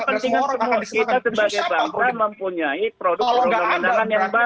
kita sebagai bangsa mempunyai produk undang undangan yang baru